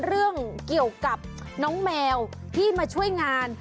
เรื่องเกี่ยวกับน้องแมวที่มาช่วยงาน